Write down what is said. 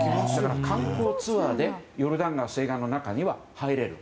観光ツアーでヨルダン川の西岸の中には入れる。